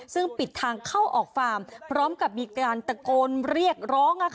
ซึ่งปิดทางเข้าออกฟาร์มพร้อมกับมีการตะโกนเรียกร้อง